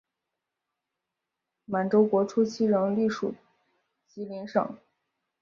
满洲国初期仍隶属吉林省。